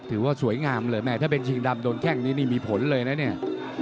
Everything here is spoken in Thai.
ถือว่าสวยงามเลยแม่ถ้าเป็นชิงดำโดนแข้งนี้นี่มีผลเลยนะเนี่ย